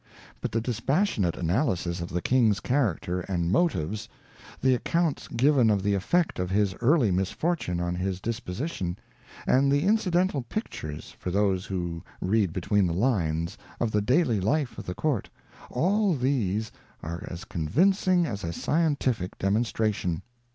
But the dispassionate analysis of the King's character and motives ; the account given of the effect of his early misfortune on his disposi tion ; and the incidental pictures, for those who read between the lines, of the daily life of the Court ;— all these are as convincing as a scientific demonstration.